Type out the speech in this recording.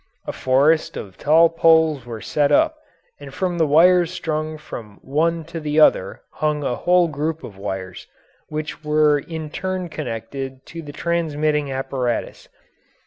A forest of tall poles were set up, and from the wires strung from one to the other hung a whole group of wires which were in turn connected to the transmitting apparatus.